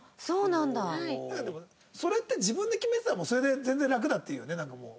なんかでもそれって自分で決めてたらそれで全然楽だっていうよねなんかもう。